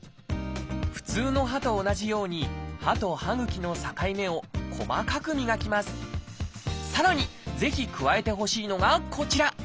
普通の歯と同じようにさらにぜひ加えてほしいのがこちら。